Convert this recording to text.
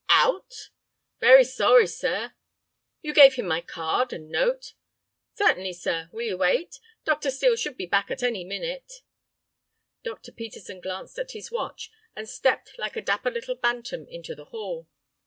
"Out?" "Very sorry, sir—" "You gave him my card and note?" "Certainly, sir. Will you wait? Dr. Steel should be back at any minute." Dr. Peterson glanced at his watch, and stepped like a dapper little bantam into the hall.